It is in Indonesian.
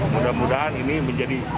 mudah mudahan ini menjadi